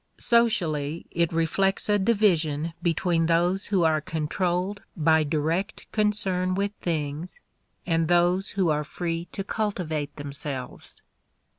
Socially, it reflects a division between those who are controlled by direct concern with things and those who are free to cultivate themselves.